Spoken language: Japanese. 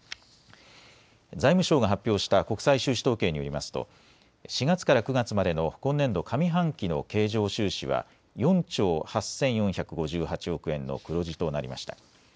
財務省が発表した国際収支統計によりますと、４月から９月までの今年度上半期の経常収支は４兆８４５８億円の黒字となりました。